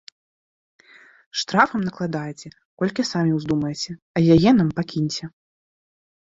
Штрафам накладайце, колькі самі ўздумаеце, а яе нам пакіньце.